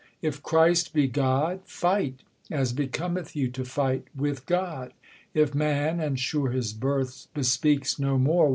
If Christ be God, i Fight, as bccometh you to fight, with God : I If man, and sure his birth bespeaks no more.